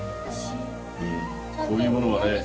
うんこういうものがね。